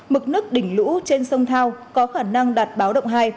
mực nước đỉnh lũ trên sông thao có khả năng đạt báo động hai